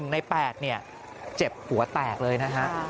ใน๘เนี่ยเจ็บหัวแตกเลยนะฮะ